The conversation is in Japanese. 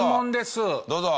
どうぞ。